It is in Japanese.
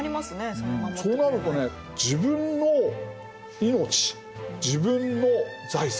そうなるとね自分の命自分の財産